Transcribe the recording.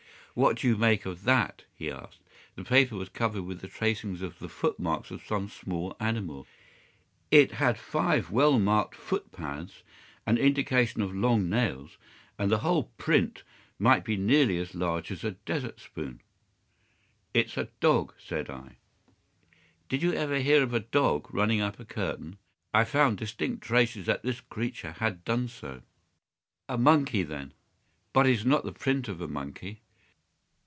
"What do you make of that?" he asked. The paper was covered with the tracings of the footmarks of some small animal. It had five well marked footpads, an indication of long nails, and the whole print might be nearly as large as a dessert spoon. "It's a dog," said I. "Did you ever hear of a dog running up a curtain? I found distinct traces that this creature had done so." "A monkey, then?" "But it is not the print of a monkey."